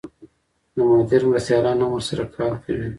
د مدیر مرستیالان هم ورسره کار کوي.